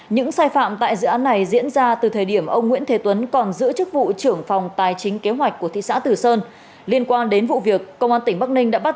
những sai phạm tại dự án này diễn ra từ thời điểm ông nguyễn thế tuấn còn giữ chức vụ trưởng phòng tài chính kế hoạch của thị xã tử sơn